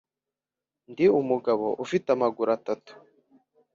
ndi umugabo ufite amaguru atatu